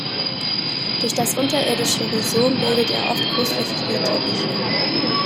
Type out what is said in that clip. Durch das unterirdische Rhizom bildet er oft großflächige Teppiche.